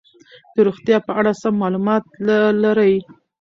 د روغتیا په اړه سم معلومات لري.